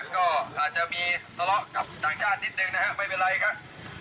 ก็อาจจะมีทะเลาะกับต่างชาตินิดนึงนะครับไม่เป็นไรครับ